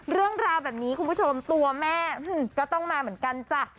เรื่องราวแบบนี้คุณผู้ชมตัวแม่ก็ต้องมาเหมือนกันจ้ะ